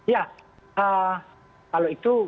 ya kalau itu